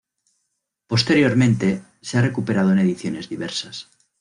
Posteriormente se ha recuperado en ediciones diversas.